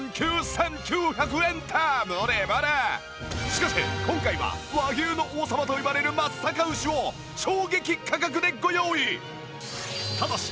しかし今回は和牛の王様といわれる松阪牛を衝撃価格でご用意！